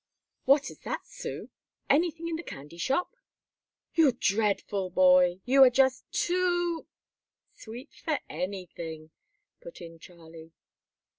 "What is that, Sue? anything in the candy shop?" "You dreadful boy! You are just too " "Sweet for anything," put in Charlie.